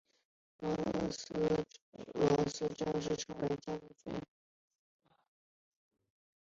罗斯正式成为主权国家。